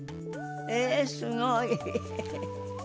ええすごい。